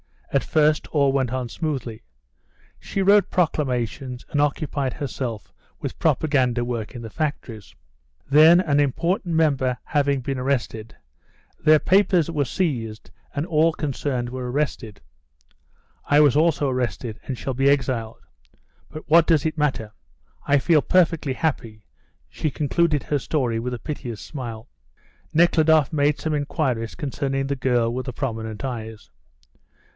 At first all went on smoothly. She wrote proclamations and occupied herself with propaganda work in the factories; then, an important member having been arrested, their papers were seized and all concerned were arrested. "I was also arrested, and shall be exiled. But what does it matter? I feel perfectly happy." She concluded her story with a piteous smile. Nekhludoff made some inquiries concerning the girl with the prominent eyes.